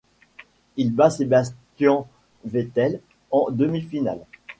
Il bat Sebastian Vettel en demi-finales.